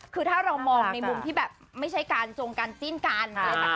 คือถ้าเรามองในมุมที่แบบไม่ใช่การจงกันจิ้นกัน